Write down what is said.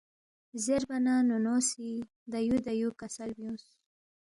زیربا نہ نونو سی دیُو دیُو کسل بیُونگس